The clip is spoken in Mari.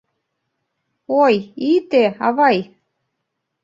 Ой, ите, авай.